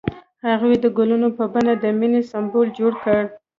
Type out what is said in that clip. هغه د ګلونه په بڼه د مینې سمبول جوړ کړ.